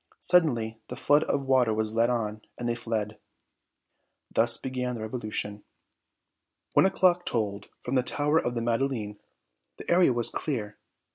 Suddenly the flood of water was let on and they fled. Thus began the revolution. One o'clock tolled from the tower of the Madeleine. The area was clear.